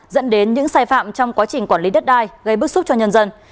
dẫn đến những sai phạm trong quá trình quản lý đất đai gây bức xúc cho nhân dân